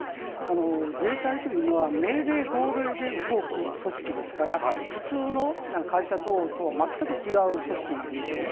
自衛隊というのは命令、号令で動く組織ですから、普通の会社等とは全く違う組織なんですよね。